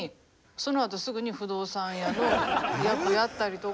そのあとすぐに不動産屋の役やったりとか。